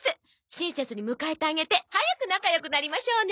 親切に迎えてあげて早く仲良くなりましょうね。